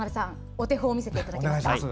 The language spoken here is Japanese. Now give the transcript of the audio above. お手本を見せていただけますか？